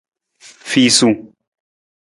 Fiisung.